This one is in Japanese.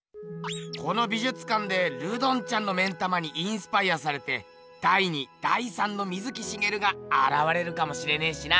この美術館でルドンちゃんの目ん玉にインスパイアされて第２第３の水木しげるがあらわれるかもしれねえしな。